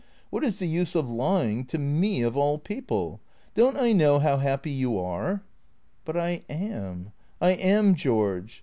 What is the use of lying, to me of all people? Don't I know how happy you are?" " But I am — I am, George.